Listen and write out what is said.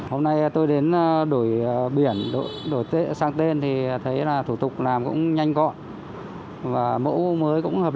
hôm nay tôi đến đổi biển đổi sang tên thì thấy là thủ tục làm cũng nhanh gọn và mẫu mới cũng hợp lý